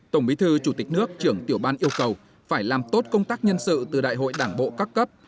tổng bí thư chủ tịch nước trưởng tiểu ban yêu cầu phải làm tốt công tác nhân sự từ đại hội đảng bộ các cấp